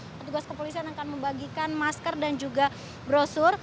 petugas kepolisian akan membagikan masker dan juga brosur